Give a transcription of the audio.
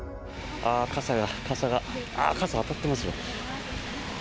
傘が傘、当たっていますよ。